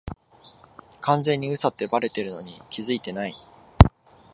完全に嘘ってバレてるのに気づいてない